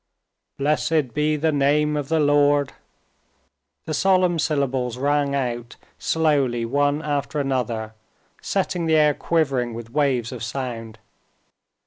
"Blessed be the name of the Lord," the solemn syllables rang out slowly one after another, setting the air quivering with waves of sound.